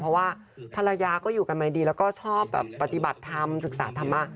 เพราะว่าภรรยาก็อยู่กันใหม่ดีแล้วก็ชอบแบบปฏิบัติธรรมศึกษาธรรมะ